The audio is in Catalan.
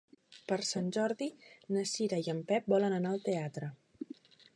Per Sant Jordi na Cira i en Pep volen anar al teatre.